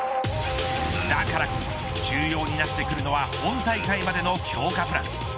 だからこそ重要になってくるのは今大会までの強化プラン。